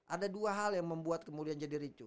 ada dua hal yang membuat kemuliaan jadi ricu